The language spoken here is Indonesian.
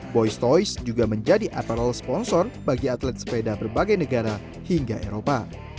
boy's toys juga menjadi aparel sponsor bagi atlet sepeda berbagai negara hingga eropa